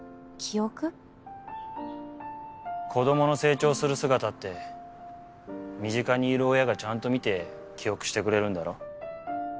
子供の成長する姿って身近にいる親がちゃんと見て記憶してくれるんだろ？